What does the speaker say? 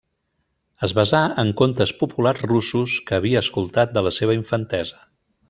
Es basà en contes populars russos que havia escoltat de la seva infantesa.